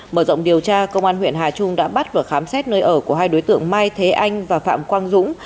mở rộng điều tra công an huyện hà trung đã bắt và khám xét nơi ở của hai đối tượng mai thế anh và phạm quang dũng